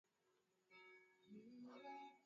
Asilimia mbili nchini Rwanda, tatu.